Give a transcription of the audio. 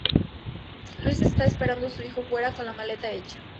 Luis está esperando a su hijo fuera, con la maleta hecha.